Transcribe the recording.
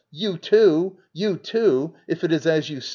] You, too! You, too !— if it Is as you say!